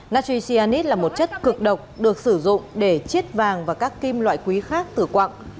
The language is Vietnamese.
natry cnnis là một chất cực độc được sử dụng để chiết vàng và các kim loại quý khác từ quặng